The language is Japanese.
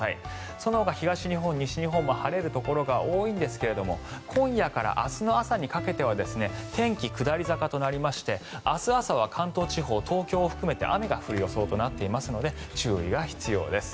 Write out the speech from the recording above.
そのほか東日本、西日本も晴れるところが多いんですが今夜から明日の朝にかけては天気、下り坂となりまして明日朝は関東地方東京を含めて雨が降る予想となっていますので注意が必要です。